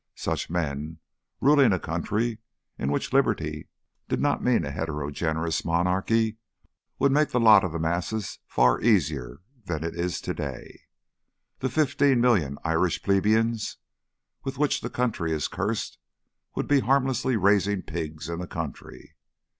Such men, ruling a country in which liberty did not mean a heterogeneous monarchy, would make the lot of the masses far easier than it is to day. The fifteen million Irish plebeians with which the country is cursed would be harmlessly raising pigs in the country.